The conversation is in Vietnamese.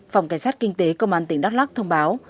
phòng cảnh sát kinh tế công an tỉnh đắk lắc thông báo